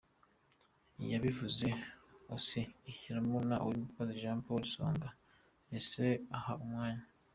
Iyabivuze Osee ashyiramo na Uwimbabazi Jean Paul, Songa Isaie aha umwanya